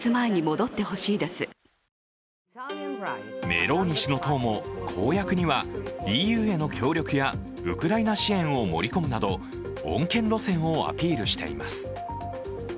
メローニ氏の党も、公約にはＥＵへの協力やウクライナ支援を盛り込むなど、穏健路線をアピールしています。